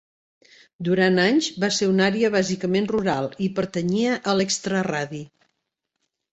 Durant anys va ser una àrea bàsicament rural i pertanyia a l'extraradi.